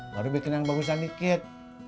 baru bikin yang bagus yang dikit